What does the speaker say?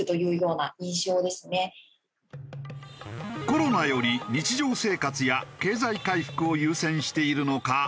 コロナより日常生活や経済回復を優先しているのか